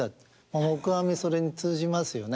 黙阿弥それに通じますよね。